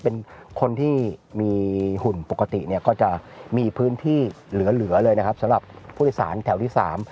เป็นคนที่มีหุ่นปกติเนี่ยก็จะมีพื้นที่เหลือเลยนะครับสำหรับผู้โดยสารแถวที่สาม